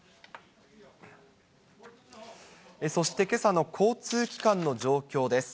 そして、けさの交通機関の状況です。